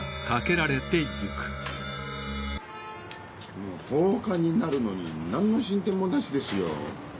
もう１０日になるのに何の進展もなしですよ。